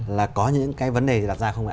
là có những cái vấn đề đặt ra không ạ